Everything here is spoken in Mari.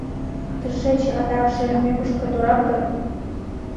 Тышеч, адакше, мӧҥгышкӧ торак дыр?